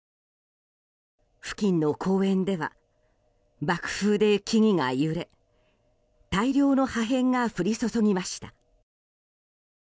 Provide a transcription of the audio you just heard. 付近の公園では爆風で木々が揺れ大量の破片が降り注ぎました。